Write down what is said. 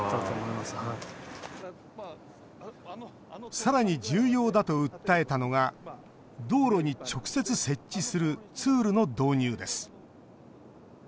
さらに、重要だと訴えたのが道路に直接設置するツールの導入です。